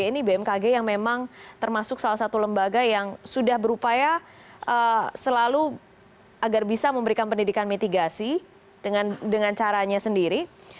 ini bmkg yang memang termasuk salah satu lembaga yang sudah berupaya selalu agar bisa memberikan pendidikan mitigasi dengan caranya sendiri